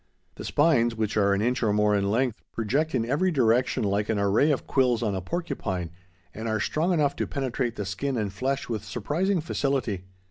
The spines, which are an inch or more in length, project in every direction like an array of quills on a porcupine, and are strong enough to penetrate the skin and flesh with surprising facility.